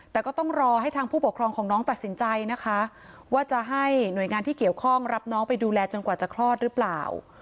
แต่ก็ต้องรอให้ทางผู้ปกครองของน้องตัดสินใจนะคะว่าจะให้หน่วยงานที่เกี่ยวข้องรับน้องไปดูแลจนกว่าจะคลอดหรือเปล่า